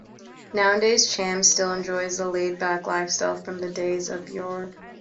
Nowadays, Cham still enjoys the laid-back lifestyle from the days of yore.